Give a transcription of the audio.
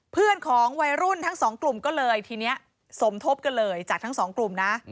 เพื่อนของวัยรุ่นทั้งสองกลุ่มก็เลยทีนี้สมทบกันเลยจากทั้งสองกลุ่มนะ